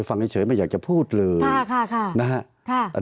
ตั้งแต่เริ่มมีเรื่องแล้ว